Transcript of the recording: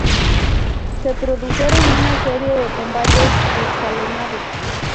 Se produjeron una serie de combates escalonados.